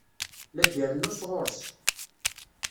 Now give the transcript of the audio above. La d-irennu sɣur-s.